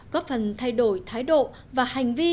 góp phần thay đổi thái độ và hành vi